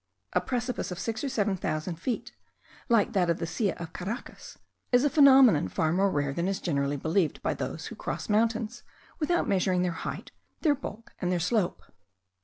A precipice of six or seven thousand feet, like that of the Silla of Caracas, is a phenomenon far more rare than is generally believed by those who cross mountains without measuring their height, their bulk, and their slope.